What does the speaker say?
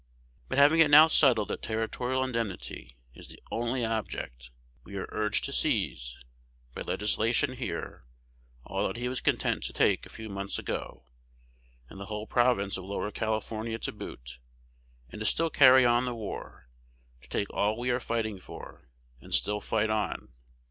But having it now settled that territorial indemnity is the only object, we are urged to seize, by legislation here, all that he was content to take a few months ago, and the whole province of Lower California to boot, and to still carry on the war, to take all we are fighting for, and still fight on.